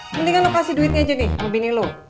mendingan lo kasih duitnya aja nih sama bini lo